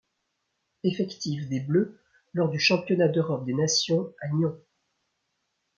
Effectif des bleus lors du Championnat d'Europe des nations à Nyon.